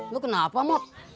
lu kenapa mak